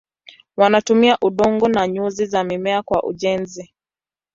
Wanatumia udongo na nyuzi za mimea kwa ujenzi.